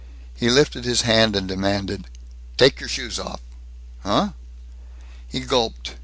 He lifted his hand and demanded, "Take your shoes off!" "Uh?" He gulped.